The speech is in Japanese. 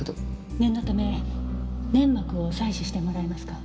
念のため粘膜を採取してもらえますか？